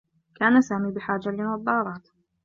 كان سامي بحاجة لنظّارات.